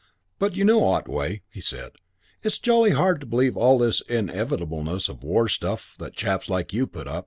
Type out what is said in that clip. "But you know, Otway," he said, "it's jolly hard to believe all this inevitableness of war stuff that chaps like you put up.